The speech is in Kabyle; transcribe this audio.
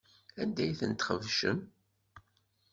Anda ay tent-txebcem?